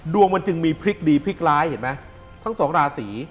ดวงมันจึงมีพลิกดีพลิกร้ายเห็นไหมทั้งสองราศี